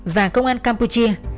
và công an campuchia